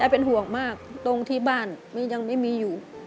เป็นห่วงมากตรงที่บ้านยังไม่มีอยู่